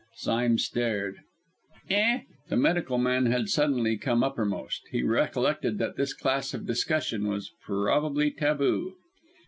Sime stared. "Eh!" The medical man had suddenly come uppermost; he recollected that this class of discussion was probably taboo.